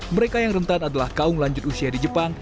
mereka yang rentan adalah kaum lanjut usia di jepang